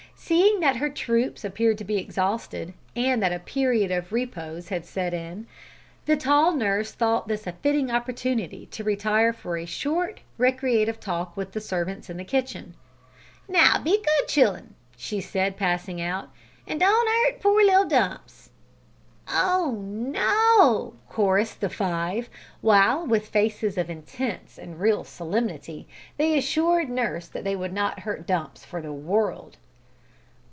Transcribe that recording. Seeing that her troops appeared to be exhausted, and that a period of repose had set in, the tall nurse thought this a fitting opportunity to retire for a short recreative talk with the servants in the kitchen. "Now be good, child'n," she said, in passing out, "and don't 'urt poor little Dumps." "Oh no," chorused the five, while, with faces of intense and real solemnity, they assured nurse that they would not hurt Dumps for the world.